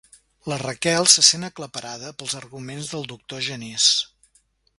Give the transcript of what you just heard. La Raquel se sent aclaparada pels arguments del doctor Genís.